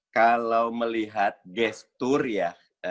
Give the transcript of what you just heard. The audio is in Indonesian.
kalau melihat gestur ya